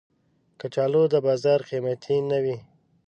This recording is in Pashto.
کچالو د بازار قېمتي نه وي